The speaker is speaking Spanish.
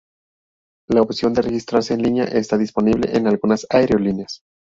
La opción de registrarse en línea está disponible en algunas aerolíneas.